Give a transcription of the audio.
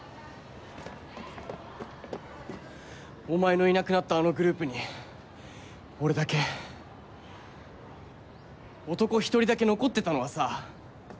お前のいなくなったあのグループに俺だけ男一人だけ残ってたのはさ